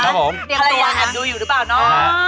ใครยังอยากดูอยู่หรือเปล่าเนอะ